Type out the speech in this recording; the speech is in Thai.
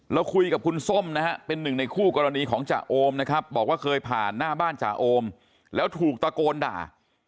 เราคุยกับคุณส้มนะฮะเป็นหนึ่งในคู่กรณีของจ่าโอมนะครับบอกว่าเคยผ่านหน้าบ้านจ่าโอมแล้วถูกตะโกนด่า